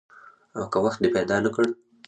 او که وخت دې پیدا نه کړ؟